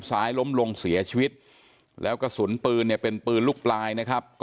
ซ้ายล้มลงเสียชีวิตแล้วกระสุนปืนเนี่ยเป็นปืนลูกปลายนะครับ